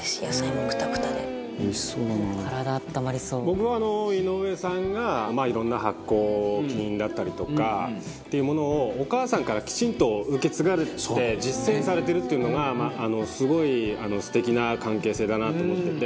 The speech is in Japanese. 僕は、井上さんがいろんな発酵菌だったりとかっていうものをお母さんからきちんと受け継がれて実践されてるっていうのがすごい素敵な関係性だなと思ってて。